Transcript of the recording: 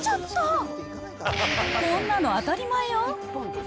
こんなの当たり前よ。